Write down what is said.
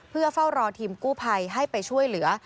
เพื่อเฝ้ารอทีมกู้ภัยให้ไปช่วยเหลือ